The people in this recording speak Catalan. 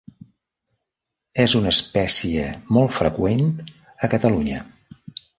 És una espècie molt freqüent a Catalunya.